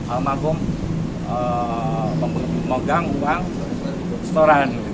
alam agung memegang uang setoran